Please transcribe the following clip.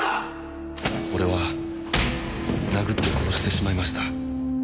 「俺は殴って殺してしまいました」